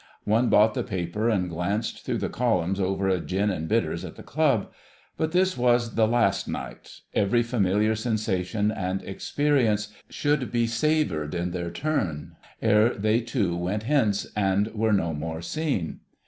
One bought the paper and glanced through the columns over a gin and bitters at the Club. But this was the last night: every familiar sensation and experience should be flavoured in their turn—ere they two went hence and were no more seen!